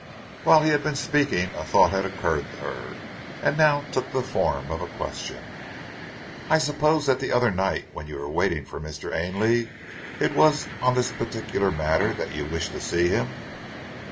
Whilst he had been speaking a thought had occurred to her, and now took the form of a question. "I suppose that the other night when you were waiting for Mr. Ainley, it was on this particular matter that you wished to see him?"